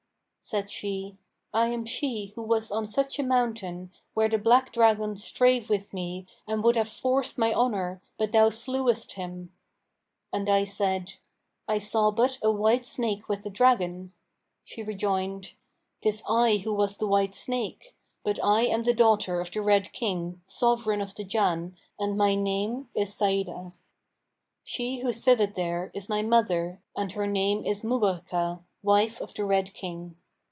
Said she, 'I am she who was on such a mountain, where the black dragon strave with me and would have forced my honour, but thou slewest him.' And I said, 'I saw but a white snake with the dragon.' She rejoined, "Tis I who was the white snake; but I am the daughter of the Red King, Sovran of the Jann and my name is Sa'нdah.[FN#529] She who sitteth there is my mother and her name is Mubбrakah, wife of the Red King.